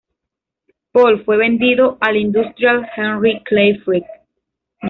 Paul fue vendido al industrial Henry Clay Frick.